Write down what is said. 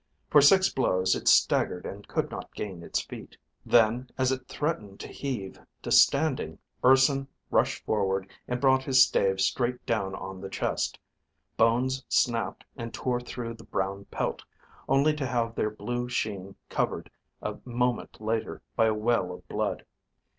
For six blows it staggered and could not gain its feet. Then, as it threatened to heave to standing, Urson rushed forward and brought his stave straight down on the chest: bones snapped and tore through the brown pelt, only to have their blue sheen covered a moment later by a well of blood.